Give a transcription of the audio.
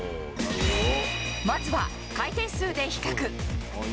まずは回転数で比較。